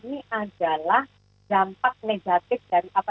pekerja rumah tangga sehingga juga